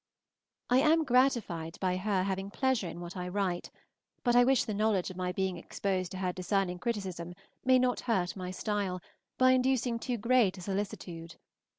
I am gratified by her having pleasure in what I write, but I wish the knowledge of my being exposed to her discerning criticism may not hurt my style, by inducing too great a solicitude.